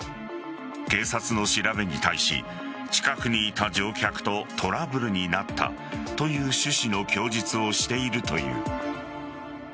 警察の調べに対し近くにいた乗客とトラブルになったという趣旨の供述をしているという。